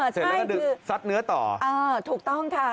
เสร็จแล้วก็ดึกซัดเนื้อต่อถูกต้องค่ะ